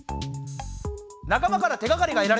仲間から手がかりがえられたぞ。